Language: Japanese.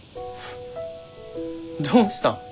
どうしたん？